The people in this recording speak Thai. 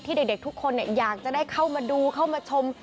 เด็กทุกคนอยากจะได้เข้ามาดูเข้ามาชม